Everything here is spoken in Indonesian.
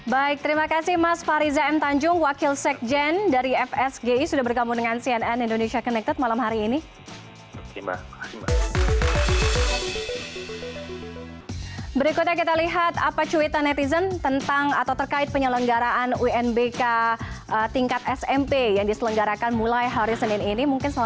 baik terima kasih mas fariza m tanjung wakil sekjen dari fsgi sudah bergabung dengan cnn indonesia connected malam hari ini